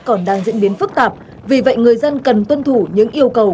còn đang diễn biến phức tạp vì vậy người dân cần tuân thủ những yêu cầu